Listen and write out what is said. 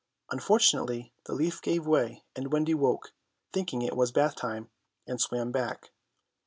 Fortunately the leaf gave way and Wendy woke, thinking it was bath time, and swam back.